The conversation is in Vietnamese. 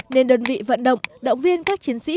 nên đơn vị vận động động viên các chiến sĩ